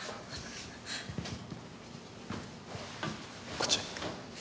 こっちへ。